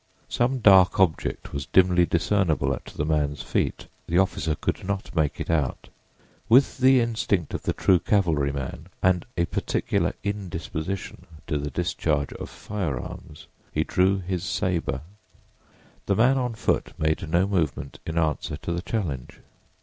Some dark object was dimly discernible at the man's feet; the officer could not make it out. With the instinct of the true cavalryman and a particular indisposition to the discharge of firearms, he drew his saber. The man on foot made no movement in answer to the challenge.